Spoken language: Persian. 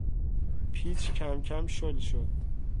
پیچ کمکم شل شد.